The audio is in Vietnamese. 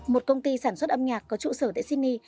một công ty sản xuất âm nhạc có trụ sở tại sydney